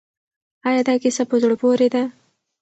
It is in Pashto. آیا دا کیسه په زړه پورې ده؟